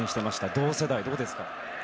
同世代、どうですか？